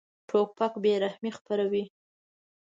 توپک بېرحمي خپروي.